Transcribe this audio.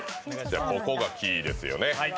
ここがキーですよね。